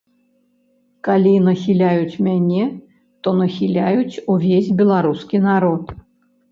Калі нахіляюць мяне, то нахіляюць увесь беларускі народ.